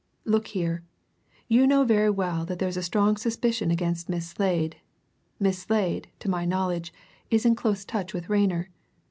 "Look here you know very well that there's a strong suspicion against Miss Slade. Miss Slade, to my knowledge, is in close touch, with Rayner.